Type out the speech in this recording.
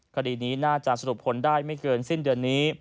คดีนี้น่าจะสรุปผลได้ไม่เกินสิ้นเดือนนี้